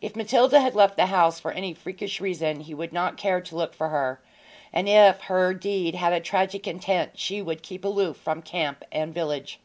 If Matilda had left the house for any freakish reason he would not care to look for her, and if her deed had a tragic intent she would keep aloof from camp and village.